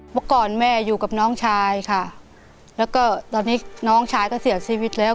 เมื่อก่อนแม่อยู่กับน้องชายค่ะแล้วก็ตอนนี้น้องชายก็เสียชีวิตแล้ว